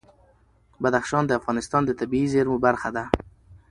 بدخشان د افغانستان د طبیعي زیرمو برخه ده.